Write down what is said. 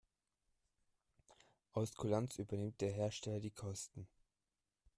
Aus Kulanz übernimmt der Hersteller die Kosten.